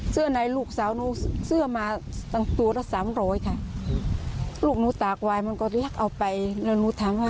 ในลูกสาวหนูเสื้อมาตั้งตัวละสามร้อยค่ะลูกหนูตากวายมันก็เรียกเอาไปแล้วหนูถามว่า